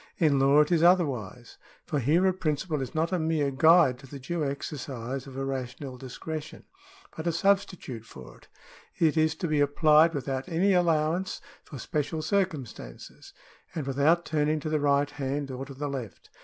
In law it is otherwise, for here a principle is not a mere guide to the due exercise of a rational discretion, but a substitute for it. It is to be applied without any allowance for special circumstances, and without turning to the right hand or to the left.